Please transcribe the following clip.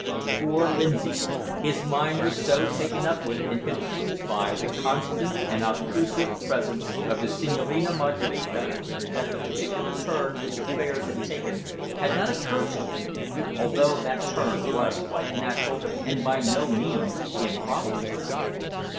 Poor Lindsay! His mind was so taken up with, and confused by, the constant and obtrusive presence of the Senhorina Maraquita that the particular turn which affairs had taken had not occurred to him, although that turn was quite natural, and by no means improbable.